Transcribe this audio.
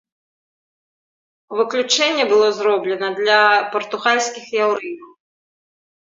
Выключэнне было зроблена для партугальскіх яўрэяў.